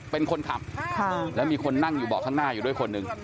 เป็นคนขับแล้วมีคนนั่งอยู่เบาะข้างหน้าอยู่ด้วยคนหนึ่ง